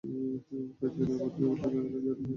কয়েক দিনের মধ্যে গুলশান এলাকায় জরিপ শুরু হবে বলে জানা গেছে।